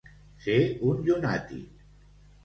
Ser un llunàtic.